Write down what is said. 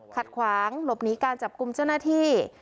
ขัดขวางหลบหนีการจับกลุ่มเจ้าหน้าที่